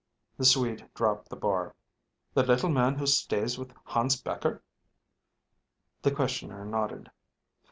The Swede dropped the bar. "The little man who stays with Hans Becher?" The questioner nodded.